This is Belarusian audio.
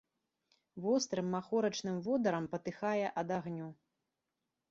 Вострым махорачным водарам патыхае ад агню.